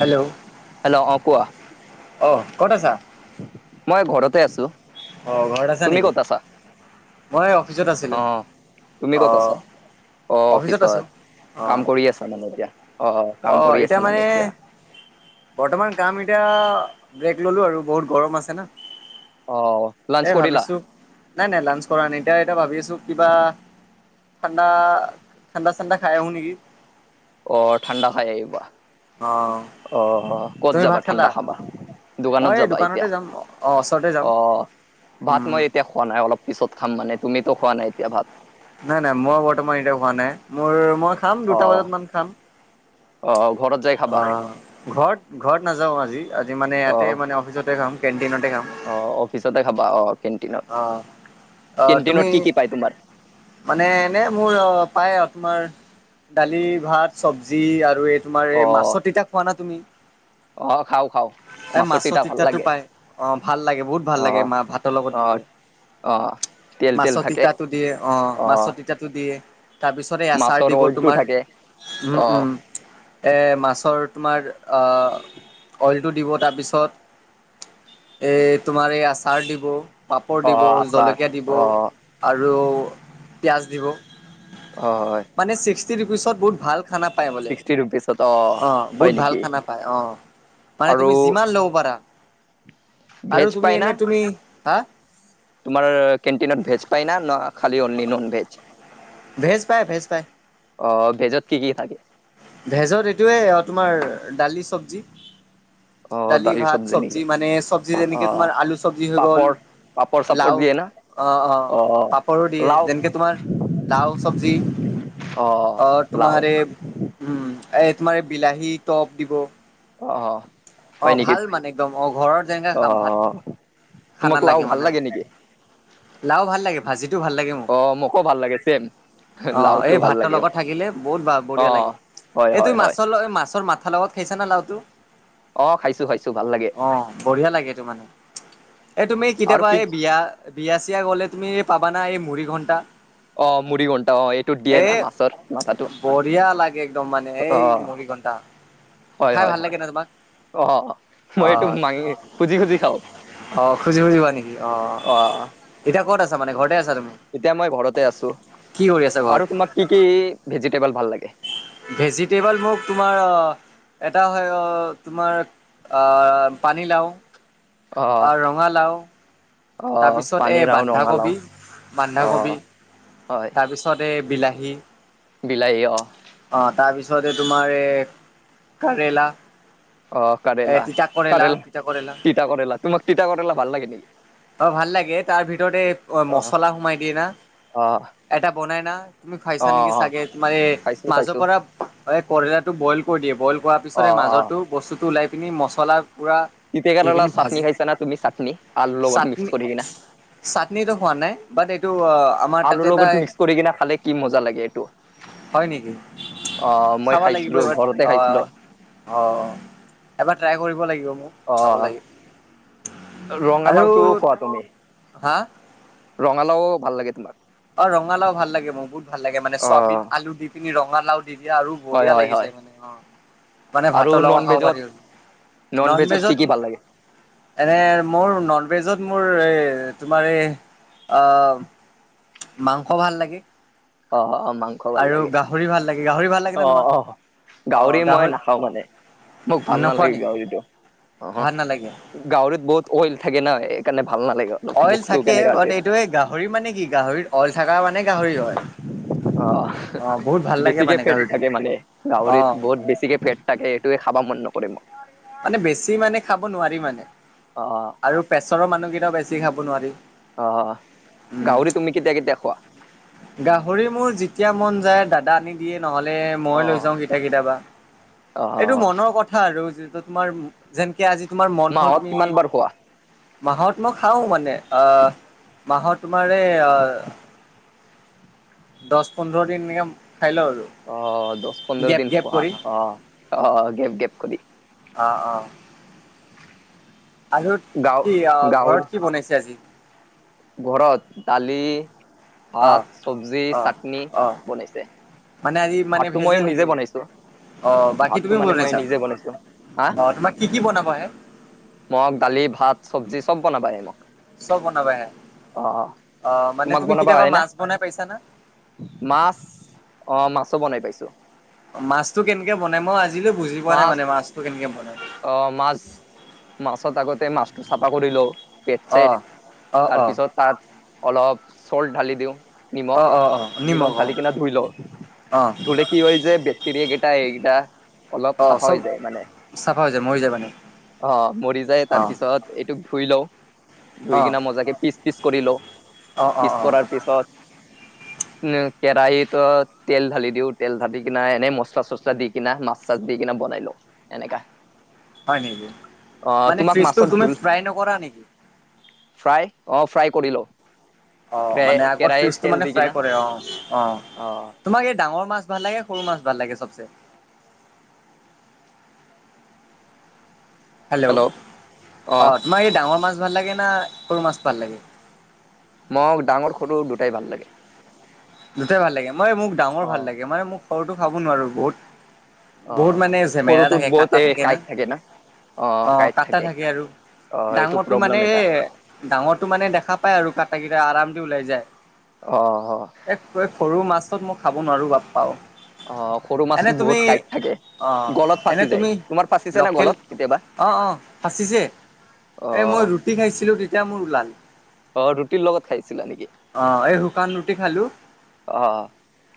Hello hello, অ' কোৱা। অ ক'ত আছা? মই ঘৰতে আছোঁ। অ' ঘৰত আছা নেকি। মই অফিচত অ আছিলোঁ। তুমি ক'ত অ'। আছা অ' অফিচত অ। কাম কৰি আছা মানে এতিয়া অ' কাম কৰি আছা মানে এতিয়া? বৰ্তমান কাম এতিয়া ব্ৰেক ল'লো আৰু বহুত গৰম আছে না। অ লাঞ্চ এ, কৰিলা ভাবিছোঁ নাই নাই লাঞ্চ কৰা নাই এতিয়া এতিয়া ভাবি আছো কিবা ঠাণ্ডা, ঠাণ্ডা চাণ্ডা খাই আহোঁ নেকি। অ' ঠাণ্ডা খাই আহিবা, অ। অ' ক'ত তুমি যাবা ভাত খালা? ঠাণ্ডা খাবা? মই দোকানত এই যাবা দোকানতে এতিয়া? যাম অ ওচৰতে যাম। অ' ভাত উম মই এতিয়া খোৱা নাই অলপ পিছত খাম মানে তুমিতো খোৱা নাই এতিয়া ভাত? নাই নাই মই বৰ্তমান এতিয়া হোৱা নাই, মোৰ মই খাম অ দুটা বজাত মান খাম। অ' ঘৰত যায়। অ' ঘৰত ঘৰত নাযাওঁ আজি আজি মানে অ ইয়াতে মানে অফিচতে খাম কেণ্টিনতে খাম। অ' অফিচতে খাবা অ' কেণ্টিনত। অ' অ' কেণ্টিনত তুমি কি কি পায় তোমাৰ? মানে এনে মোৰ অ' পায় আপনাৰ দালি ভাত চবজি আৰু এই তোমাৰ অ এই মাছৰ তিতা খোৱা না তুমি? অ' খাওঁ খাওঁ। এ, মাছৰ তিতা ভাল তিতাতো লাগে পাই, অ' ভাল লাগে বহুত ভাল অ লাগে মা ভাতৰ লগত অ দিলে। অ', তেল তেল মাছৰ থাকে তিতাটো দিয়ে অ' মাছৰ তিতাটো দিয়ে। তাৰ পিছত এই আচাৰ মাছৰ দিব অইলটো তোমাৰ। থাকে উম, অ', উম। এ, মাছৰ তোমাৰ অ' অইল [unintelligible] দিব তাৰপিছত, এই তোমাৰ এই আচাৰ দিব পাপৰ দিব, অ', আচাৰ জলকীয়া দিব অ', আৰু পিঁয়াজ দিব। অ' হয়। মানে ছিক্কি ৰুপিচত বহুত ভাল খানা পায় বোলে। Sixty rupees. অ' বহুত ভাল খানা পাই অ' মানে আৰু তুমি যিমান ল'ব পাৰা। আৰু ভেজ তুমি পাই না এনে তুমি, হা? তোমাৰ কেনটিনত ভেজ পায় না, ন' খালি অনলি নোনভেজ? ভেজ পায়, ভেজ পায়। অ, ভেজত কি কি থাকে? ভেজত এইটোৱে, তোমাৰ! দালি চব্জি। অ', দালি ভাত, চব্জি চবজি নেকি মানে, চব্জি যেনেকে, অ', তোমাৰ আলু চবজি হৈ গল পাপৰ পাপৰ চাপৰ লাও, দিয়ে না অ, অ, পাপৰো দিয়ে, লাও যেনেকে তোমাৰ লাও চবজি। অ তোমাৰ এ, উম এ তোমাৰ, বিলাহী টপ দিব, অ, অ, অ, হয় নেকি ভাল মানে, একদম অ ঘৰৰত যেনেকে খাম, ভাত অ', খানা তোমাক লাও ভাল মানে। লাগে নেকি? লাও ভাল লাগে ভাজিটো ভাল লাগে মোক। অ', মোকো ভাল লাগে ছেম অঁ লাওটো এই ভাল ভাতৰ লাগে লগত থাকিলে বহুত অ বঢ়িয়া লাগে হয় হয় এইটো হয় মাছৰ লগ মাছৰ মাথাাৰ লগত খাইছা না লাওটো অ খাইছো, খাইছো, ভাল লাগে অ বঢ়িয়া লাগে তোমাক, এই তুমি আৰু কেতিয়াবা কি এই বিয়া বিয়া চিয়া গ'লে তুমি পাবানা, এই মুৰি ঘণ্টা। অ মুৰি ঘন্টা অ এইটো দিয়ে এ, না মাছৰ মাথাটো বঢ়িয়া লাগে একদম মানে, অ এই মুৰিঘন্তা খাই ভাল লাগে ন? তোমাক। অঁ, মই এইটো অ', মাঙি খুজি খুজি, খাওঁ। অ খুজি খুজিবা নেকি অ' এতিয়া ক'ত আছা, মানে ঘৰতে আছা তুমি। এতিয়া মই ঘৰতে আছো, কি কৰি আছা ঘৰত? আৰু তোমাক কি কি ভেজিটেবল ভাল লাগে? ভেজিটেবল, মোক তোমাৰ এটা হয়, তোমাৰ, পানীলাও, অ ৰঙালাও, অ তাৰপিছত, এ পানীলাও ৰঙালাও বন্ধাকবি, অ বন্ধাকবি [inaudible] তাৰপিছতে, এই বিলাহী, বিলাহী, অঁ। অঁ তাৰপিছতে, তোমাৰ এই, কেৰেলা। অঁ এ কৰেলা তিতা কৰেলা, তিতা কেৰেলা তিতা কৰেলা তোমাক তিতা কৰেলা ভাল লাগে নেকি? অঁ ভাল লাগে, তাৰ ভিতৰেত এই, অ মচলা সোমাই দিয়ে না। অঁ। এটা বনাই না, তুমি খুৱাইছা নেকি? চাগে তোমাৰ, খাইছো মাজৰ খাইছো পৰা, এ কৰেলাটো বইল কৰি দিয়ে, বইল কৰা অ পিছত অ মাজৰতো বস্তুটো ওলাই পিনি, মছলা পূৰা তিতা কেৰেলা চাটনি, খাইছা নে? তুমি চাটনি আলু লগত চাটনি মিক্স কৰি কেনে, চাটনিটো খোৱা নাই, বাট এইটো অঁ আমাৰ তাতে আলুৰ এটা লগত মিক্স কৰি কেনে খালে কি মজা লাগে, এইটো। হয় নেকি অঁ মই খাইছিলো, ঘৰতে খাইছিলো। অঁ এবাৰ ট্ৰাই কৰিব, লাগিব মোক চাব লাগিব। ৰঙাঁলাওটো খোৱা তুমি! হা ৰঙালাও, ভাল লাগে তোমাৰ অঁ ৰঙাঁলাও ভাল লাগ, মোৰ বহুত ভাল লাগে, মানে অ চোৱাবিন আলু দি পিনি ৰঙালাও। দ দিয়া, আৰু হয় বঢিয়া হয় হয় লাগিছে, মানে অ মানে আৰু ভাতৰ লগা নন খাব ভেজত পাৰি আৰু। নন ভেজত কি, কি, ভাল লাগে? এনে মোৰ ননভেজত মোৰ এই তোমাৰ এই মাংস ভাল লাগে অ অমা আৰু গাহৰি ভাল লাগে গাহৰি ভাল লাগে নে অ তোমাক? অ অ গাউৰি মই গাহৰি নাখাওঁ মানে মোক ভাল নোখোৱা নালাগে নেকি গাউৰিীটো অ ভাল নালাগে? গাহউৰিত বহুত অইল থাকে ন সেইকাৰণে ভাল নালাগে অলপ অইল মুখটো থাকে কেনেকা বাট টেষ্ট এইটোে গাহৰি মানে কি গাহৰি অইল থকা মানে গাহৰি হয় অ বহুত ভাল লাগে বেছিকে মানে ফেট গাহৰিটো থাকে মানে অ গাহৰিত বহুত বেছিকে ফেট থাকে এইটোৱে খাবা মন ন কৰে মোক। মানে বেছি মানে খাব নোৱাৰি মানে অ আৰু প্ৰেছাৰৰ মানুহকেইটাও বেছি খাব নোৱাৰি। অ', উম। গাহৰি তুমি কেতিয়া কেতিয়া খোৱা? গাহৰি মোৰ যেতিয়া মন যায় দাদা আনি দিয়ে নহ'লে অ মই লৈ যাওঁ কেতিয়া কেতিয়াবা অ এইটো মনৰ কথা আৰু যিটো তোমাৰ যেনেকে আজি তোমাৰ মন হ'ল মাহত তুমি কিমান বাৰ খোৱা মাহত মই খাওঁ মানে অ' মাহত তোমাৰ এই আ দহ পোন্ধৰ দিন এনেকে খাই লওঁ আৰু। অ', দহ পোন্ধৰ গেপ দিন গেপ খোৱা কৰি অ' অ' গেপ গেপ কৰি। অ', অ'। আৰু গাঁও কি গাঁৱৰ ঘৰত কি বনাইছে আজি? ঘৰত দালি অ ভাত চব্জি অ চাটনি অ বনাইছে। মানে আজি মানে ভাতটো মই ভেজে নিজে থাকিব বনাইছো। অ বাকী তুমি ভাতটো মানে মই বনাইছা নিজে বনাইছো, হা? অ তোমাক কি কি বনাব আহে মই দালি ভাত চব্জি চব বনাবাই মোক। চব বনাবয়ে অ অ' মানে তোমাক তুমি বনাবা কেতিয়াবা আহে না মাছ বনাই পাইছা না? মাছ অ' মাছো বনাই পাইছো। মাছটো কেনেকে বনাই মই আজিলৈ বুজি পোৱা নাই মানে মাছটো কেনেকে বনায়। অ', মাছ মাছত আগতে মাছটো চাফা কৰি লওঁ। পেট অ চেট অ অ তাৰপিছত তাত অলপ চল্ট ঢালি দিওঁ। অ', নিমখ অ', অ', নিমখ অ', ঢালি কিনে ধুই লওঁ। অ', ধুলে কি হয় যে বেক্টেৰিয়া কেইটা এইকেইটা অলপ অ', চাফা চব হৈ যায় মানে। চাফা হৈ যাব মানে। অ', মৰি যায়। তাৰ অ', পিছত এইটোোক ধুই লওঁ ধুই অ', কিনা মজাকে পিছ পিচ কৰি লওঁ। অ', অ', পিচ অ', কৰাৰ পিছত [inaudible] উম, কেৰাহীত তেল ঢালি দিওঁ তেল ঢালি কিনা এনেই মচলা চচলা দি কিনা মাছ চাচ দি কিনে বনাই লওঁ এনেকা। হয় নেকি, অ মানে তোমাক ফিচটো মাছৰ তুমি জোল ফ্ৰাই নকৰা নেকি? ফ্ৰাই অ' ফ্ৰাই কৰি লওঁ। অ', কে মানে আগৰ কেৰাহীত ফিচটো তেল মানে দি ফ্ৰাই কিনা কৰে অ' অ'। তোমাৰ এই ডাঙৰ মাছ ভাল লাগে সৰু মাছ ভাল লাগে চবচে? হেল্ল' অ' অ', তোমাৰ এই ডাঙৰ মাছ ভাল লাগে না সৰু মাছ ভাল লাগে? মোক ডাঙৰ সটো দুটাই ভাল লাগে। দুটাই ভাল লাগে। মই মোক ডাঙৰ ভাল অ', লাগে মানে মোক সৰুটো খাব নোৱাৰো। বহুত অ', বহুত অ'। মানে জেমেলা সৰুটোত থাকে বহুত কাটা এই থাকে না। কাঁইট অ', কাটা থাকে আৰু অ', এইটো ডাঙৰটো প্ৰব্লেম মানে এটা। ডাঙৰটো মানে দেখা পাই আৰু কাটা কেইটা আৰামচে ওলাই যায়। অহ। সৰু মাছত মই খাব নোৱাৰো বাপ্পা অও। অ', সৰু মাছ বহুত কাইট থাকে। অ গলত এনে ফাঁচি যায় তুমি তোমাৰ ফাঁচিছে নে লোকেল গলত কেতিয়াবা? অ অ অহ। কি খাইছিলো তেতিয়া মোৰ ওলাল। অ', ৰুটিৰ লগত খাইছিলা নেকি? অ এই শুকান ৰুটি খালো অ',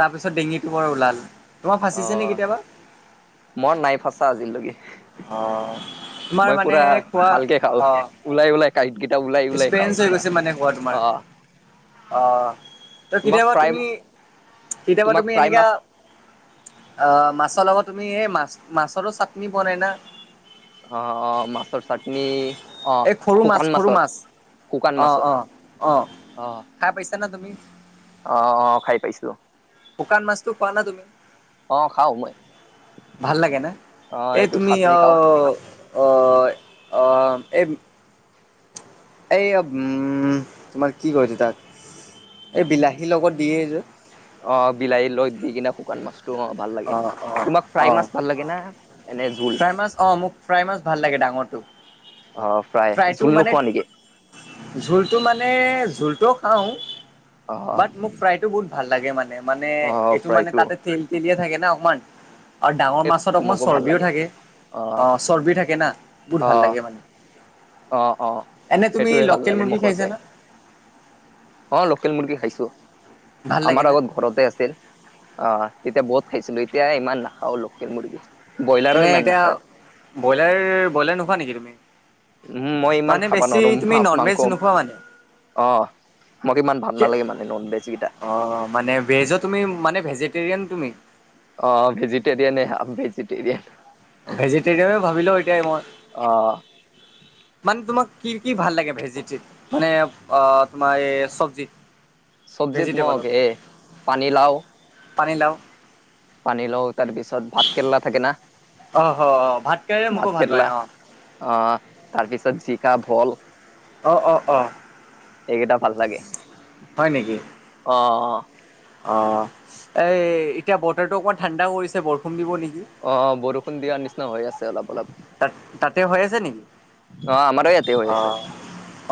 তাৰপিছত ডিঙিটো পৰা ওলাল। তোমাৰ ফাঁচিছে নে অ', কেতিয়াবা মই নাই ফচা আজিলৈকে। অ'। তোমাৰ মই মানে পুৰা খোৱা ভালকে খাওঁ। অ' ওলাই ওলাই কাঁইট কেইটা ওলাই ওলাই খাওঁ এক্সপিৰিয়েঞ্চ হৈ পুৰা গৈছে মানে খোৱা তোমাৰ। অ', অ', তোমাক কেতিয়াবা ফ্ৰাই তুমি কেতিয়াবা তোমাক তুমি ফ্ৰাই এনেকা মাছ অ' মাছৰ লগত তুমি এই মাছ মাছৰো চাটনি বনাই না। অ', অ', মাছৰ চাটনি অ' এই সৰু মাছ শুকান সৰু মাছৰ মাছ শুকান অ' মাছৰ। অ' অ' অ'। খাই পাইছানা তুমি? অ', অ', খাই পাইছোঁ। শুকান মাছতো খোৱা না তুমি? অ', খাওঁ মই ভাল লাগে নে, অ', এই এইটোৰ তুমি চাটনি খাওঁ। অহ অ', অ', এই এই অব উম, তোমাৰ কি কয় সেইটো তাত, এই বিলাহীৰ লগত দিয়ে যে। অ' বিলাহীৰ লগত দি কিনে শুকান মাছটো অ' ভাল লাগে অ' অ' তোমাক ফ্ৰাই মাছ অ' ভাল লাগে না? এনে জোল ফ্ৰাই মাছ অ' মোক ফ্ৰাই মাছ ভাল লাগে ডাঙৰটো। অ' ফ্ৰাই, ফ্ৰাইটো জোল মানে নোখোৱা নেকি? জোলটো মানে জোলটোও খাওঁ, অ', বাট মোক ফ্ৰাইটো বহুত ভাল লাগে মানে মানে অ', এইটো মানে ফ্ৰাইটো তাতে তেল তেলিয়া থাকে না অকমান। আৰু ডাঙৰ মাছত অকণমান মোকো ভাল চৰ্বিও লাগে থাকে, অ' চৰ্বিও থাকে না বহুত ভাল অ', লাগে মানে। অ', অ', এনে তুমি সেইটোয়ে ভাল লোকেল লাগে মুৰ্গী খাইছা মুখোছে। না অ' লোকেল মুৰ্গী খাইছোঁ, ভাল আমাৰ লাগে না আগত ঘৰতে আছিল। অ' তেতিয়া বহুত খাইছিলোঁ এতিয়া ইমান নাখাওঁ লোকেল মুৰ্গী। ব্ৰইলাৰো এনেই ইমান এতিয়া, নাখাওঁ ব্ৰইলাৰ ব্ৰইলাৰ নোখোৱা নেকি তুমি? উম, মই ইমান মানে খাব বেছি নোৱাৰো তুমি নন মাছ ভেজ মাংস। নোখোৱা মানে অ' মোক ইমান ভাল নালাগে মানে নোনভেজ কেইটা। অ' মানে ভেজো তুমি মানে ভেজিটেৰিয়ান তুমি। অ' ভেজিটেৰিয়ানে আমি ভেজিটেৰিয়ন। ভেজিটেৰিয়ান ভাবি লওঁ এতিয়াই অ মই। মানে তোমাক কি কি ভাল লাগে ভেজিটি মানে অ' তোমাৰ এই চব্জি। চব্জিত মোক ভেজিটেবলৰ, এ পানীলাও পানীলাও। পানীলাও তাৰ পিছত ভাত কেৰেলা থাকে না। অ', অ', ভাতকাইৰে ভাত মোকো ভাল কেৰেলা পায় অ'। অ' তাৰপিছত জিকা, ভোল। অ' অ' অ' এইকেইটা ভাল লাগে। হয় নেকি অ', অ'। অ' এই এতিয়া বতৰটো অকমান ঠাণ্ডা কৰিছে বৰষুণ দিব নেকি। অ', অ', বৰষুণ দিয়াৰ নিচিনা হৈ আছে অলপ অলপ। তাত তাতে হৈ আছে নেকি? অ' আমাৰে অ',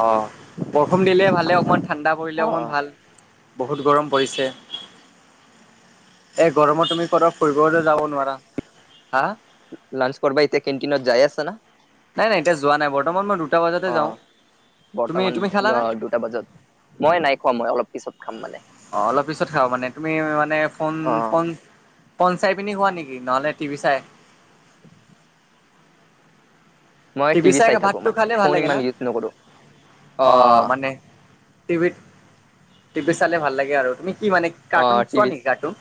অ', বৰষুণ দিলে ভালে অকমান ঠাণ্ডা অ পৰিলে অকমান অ ভাল। বহুত গৰম পৰিছে। এই গৰমত তুমি পদ ফুৰিবলৈ যাব নোৱাৰা, হা? লাঞ্চ কৰবা এতিয়া কেনটিনত যাই আছা না? নাই নাই এতিয়া যোৱা নাই বৰ্তমান মই দুটা বজাতে অ যাওঁ। তুমি বৰ্তমান তুমি খালানে? ন' দুটা বজাত, মই নাই খোৱা মই অলপ পিছত খাম মানে। অ' অলপ পিছত খাওঁ মানে তুমি মানে ফোন অ ফোন ফোন চাই পিনি শুৱা নেকি নহ'লে টিভি চাই। মই টিভি চাই থাকো ভাতটো মানে খালে ভাল ফোন লাগে ইমান না। ইউজ নকৰো অ' মানে টিভিত, টিভি চালে ভাল লাগে আৰু তুমি কি মানে অ কাৰ্টুন চোৱা টিভিত নেকি কাৰ্টুন?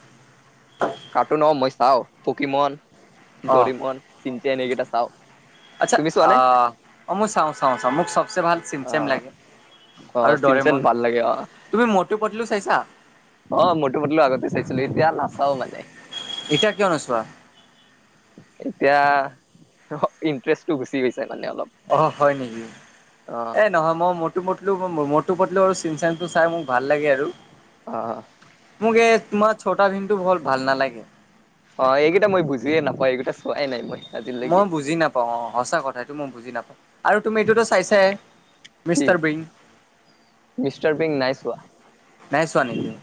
কাৰ্টুন অ' মই চাওঁ পকীমন, অ দৰিমন, চিনচেন এইকেইটা চাওঁ। আচ্ছা অ', অ', মই চাওঁ চাওঁ চাওঁ মোক চবচে ভাল চিম অ চেম লাগে। আৰু অ' চিনচেন দৰেমন ভাল লাগে অ'। তুমি মটু পটলু চাইছা? অ' মটু পটলু আগতে চাইছিলোঁ এতিয়া নাচাওঁ মানে। এতিয়া কিয় নোছোৱা? এতিয়া ইণ্টাৰেষ্টটো গুচি গৈছে মানে অলপ অঁ হয় নেকি? অ এই নহয় মই মো পলো মটো পটলো আৰু চিন চনটো চাই মোক ভাল লাগে আৰু। অ'। মোক এ তোমাৰ ছোটা ভিমটো বল ভাল নালাগে। অ' এইকেইটা মই বুজিয়ে নাপাওঁ এইকেইটা চোৱাই নাই মই। আজিলৈকে মই বুজি নাপাওঁ অ' সঁচা কথা এইটো মই বুজি নাপাওঁ, আৰু তুমি এইটোতো চাইছাই। কি? মিষ্টাৰ বিন মিষ্টাৰ বিন নাইছোৱা। নাইছোৱা নেকি?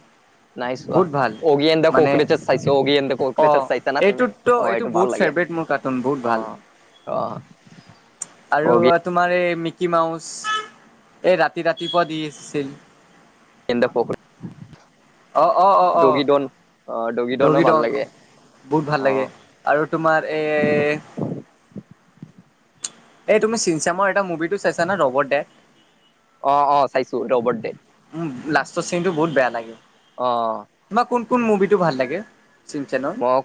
বহুত ভাল, অগি এণ্ড দা মানে কক্ৰচেছ চাইছো অগি এণ্ড দা কক্ৰচেছ অ' চাইছা না তুমি এইটো অ এইটো ভাল বহুত লাগে ফেভৰেট মোৰ ক একদম বহুত ভাল। অ', অ'। আৰু অগি তোমাৰ এই মিকি মাউচ এই ৰাতি ৰাতিপুৱা দিছিল এনে দা পকেট। অ', অ', অ, অ' অ', ডগি ডনো ভাল দগীদন লাগে বহুত ভাল লাগে। অ', আৰু তোমাৰ এ এই তুমি চিনচেমৰ এটা মুভি টো চাইছা না ৰ'বট ডেড? অ', অ' চাইছো ৰ'বট ডেড। উ লাষ্টৰ চিনটো বহুত বেয়া লাগে। অ'। তোমাৰ কোন কোন মুভি টো ভাল লাগে? চিমচেনৰ মোক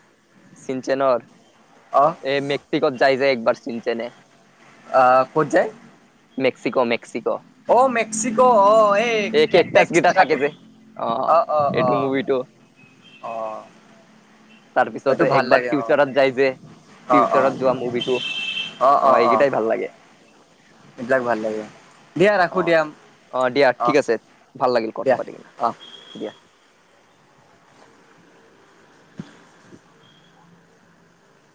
চিনচেনৰ, অ এই মেক্সিকোত যাইযে একবাৰ চিনচেনে আহ ক'ত যায়? Mexico Mexico. অ', মেক্সিকো অ', এই কে কেকটাচ কেটেক্স কেইটা থাকা থাকে কৰোঁ। যে অ', অ', এইটো অ', মুভিটো অ'। তাৰ এইটো পিছত ভাল একবাৰ লাগে অ ফিউচাৰত যাই যে, অ অ ফিউচাৰত যোৱা মুভিটো অ', এইকেইটাই ভাল লাগে। এইবিলাক ভাল লাগে। দিয়া ৰাখো অ', দিয়া। অ', দিয়া অহ, ঠিক আছে ভাল লাগিল কথা দিয়া। পাতি কিনা অহ। দিয়া। [inaudible]